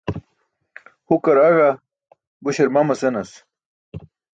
Hukar aẏa, buśar mama senas.